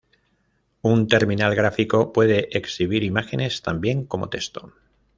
Un terminal gráfico puede exhibir imágenes tan bien como texto.